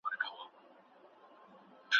تېر کلونه تېر سول.